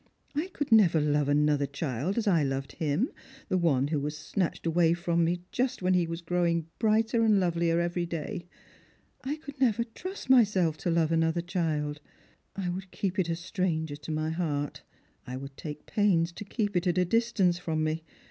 I could never love another child as I loved him, the one who was snatched away from me just when he was growing brighter and lovelier every day. I could never trust myself to love another child. I would keep it a stranger to my heart. I would take pains to keep it at a distance from me.